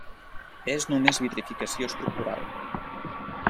És només vitrificació estructural.